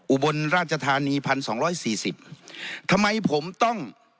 อุบลราชธานีพันสองร้อยสี่สิบทำไมผมต้อง